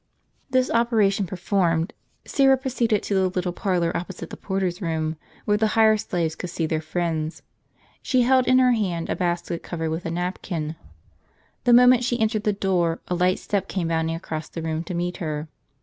This operation performed, Syra proceeded to the little par lor opposite the porter's room, where the higher slaves could see their friends. She held in her hand a basket covered with a napkin. The moment she entered the door a light step came bounding across the room to meet her.